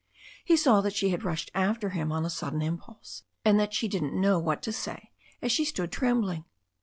He saw that she had rushed after him on a sudden im pulse, and that she didn't know what to say, as she stood trembling.